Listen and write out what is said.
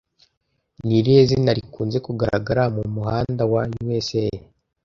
Ni irihe zina rikunze kugaragara mu muhanda wa USA